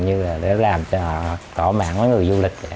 như là để làm cho họ tỏ mạng với người du lịch